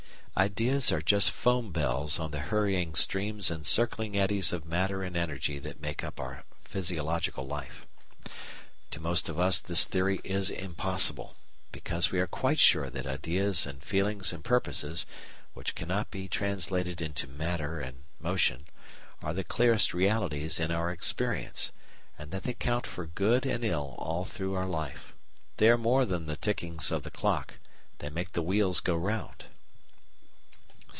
Ideas are just foam bells on the hurrying streams and circling eddies of matter and energy that make up our physiological life. To most of us this theory is impossible, because we are quite sure that ideas and feelings and purposes, which cannot be translated into matter and motion, are the clearest realities in our experience, and that they count for good and ill all through our life. They are more than the tickings of the clock; they make the wheels go round.